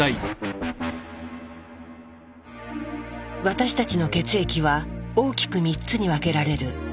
私たちの血液は大きく３つに分けられる。